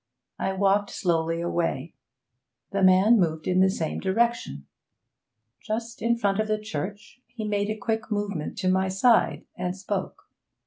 I walked slowly away; the man moved in the same direction. Just in front of the church he made a quick movement to my side, and spoke.